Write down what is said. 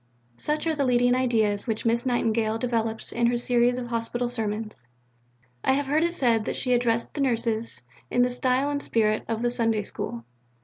63. Such are the leading ideas which Miss Nightingale develops in her series of Hospital Sermons. I have heard it said that she addressed the Nurses in the style and spirit of the Sunday School.